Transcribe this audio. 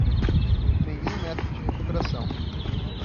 Nenhum método de recuperação